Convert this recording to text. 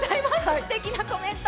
すてきなコメント。